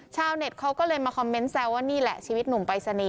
ชาวเน็ตเขาก็เลยมาคอมเมนต์แซวว่านี่แหละชีวิตหนุ่มปรายศนีย์